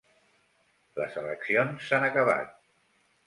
…les eleccions s’han acabat.